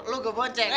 lu gabonceng eh